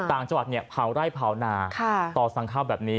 ต่างจังหวัดเนี่ยเผาไร่เผานาต่อสั่งข้าวแบบนี้